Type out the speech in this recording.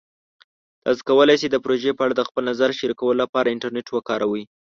تاسو کولی شئ د پروژې په اړه د خپل نظر شریکولو لپاره انټرنیټ وکاروئ.